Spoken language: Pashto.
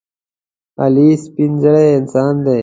علي سپینزړی انسان دی.